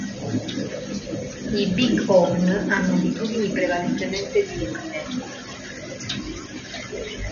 I bighorn hanno abitudini prevalentemente diurne.